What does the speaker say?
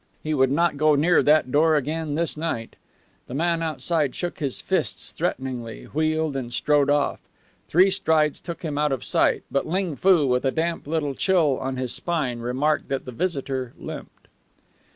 He would not go near that door again this night. The man outside shook his fists threateningly, wheeled, and strode off. Three strides took him out of sight; but Ling Foo, with a damp little chill on his spine, remarked that the visitor limped.